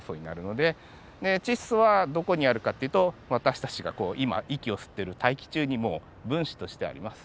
で窒素はどこにあるかっていうと私たちがこう今息を吸ってる大気中にもう分子としてあります。